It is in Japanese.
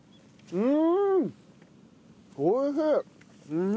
うん！